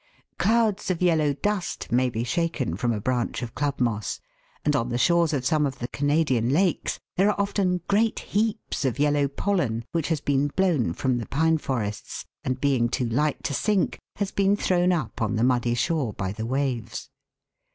Clouds of yellow dust may be shaken from a branch of club moss, and on the shores of some of the Canadian lakes there are often great heaps of yellow pollen which has been blown from the pine forests, and being too light to sink, has been thrown up on the muddy shore by the waves.